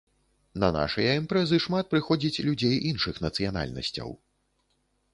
На нашыя імпрэзы шмат прыходзіць людзей іншых нацыянальнасцяў.